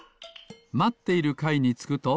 まっているかいにつくと。